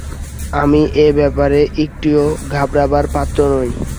আমি এ ব্যাপারে একটুও ঘাবড়াবার পত্র নই।